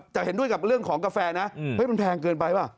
จะเห็นด้วยกับเรื่องของกาแฟนะเฮ้ยมันแพงเกินไปป่ะ